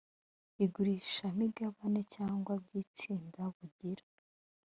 igurisha imigabane cyangwa by itsinda bugira